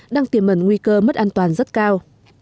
đang tiềm mẩn nguy cơ mất an toàn rất cao